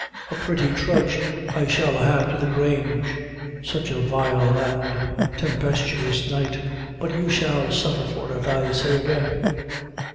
A pretty trudge I shall have to the Grange, such a vile and tempestuous night; but you shall suffer for it, I say again."